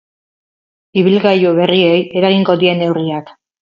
Ibilgailu berriei eragingo die neurriak.